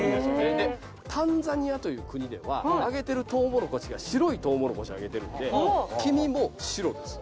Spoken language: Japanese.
でタンザニアという国ではあげてるトウモロコシが白いトウモロコシあげてるんで黄身も白です。